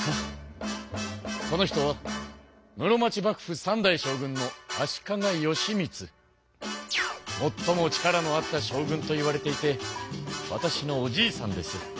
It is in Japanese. この人は室町幕府３代将軍のもっとも力のあった将軍といわれていてわたしのおじいさんです。